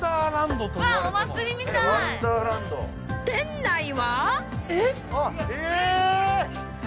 店内は。えっ！！